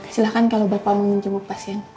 silahkan kalau bapak mau jemur pasien